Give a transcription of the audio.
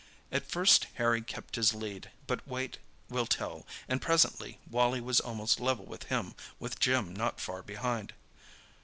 At first Harry kept his lead; but weight will tell, and presently Wally was almost level with him, with Jim not far behind.